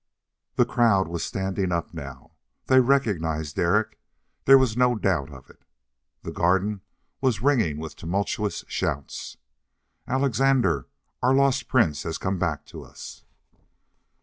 The crowd was standing up now. They recognized Derek! There was no doubt of it. The garden was ringing with the tumultuous shouts, "Alexandre! Our lost prince has come back to us!"